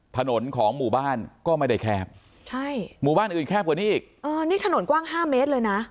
ถนนของหมู่บ้านก็ไม่ได้แคบใช่หมู่บ้านอื่นแคบกว่านี้อีกเออนี่ถนนกว้างห้าเมตรเลยนะ